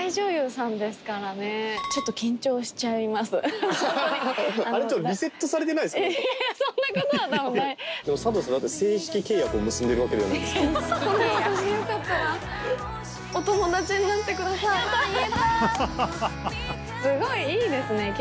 すごいいいですね。